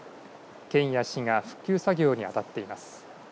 県や市が復旧作業にあたっています。